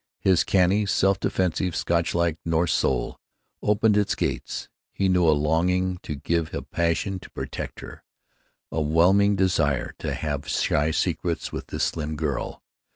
His canny, self defensive, Scotchlike Norse soul opened its gates. He knew a longing to give, a passion to protect her, a whelming desire to have shy secrets with this slim girl.